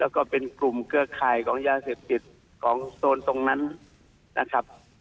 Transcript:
แล้วก็เป็นกลุ่มเครือข่ายของยาเสพติดของโซนตรงนั้นนะครับ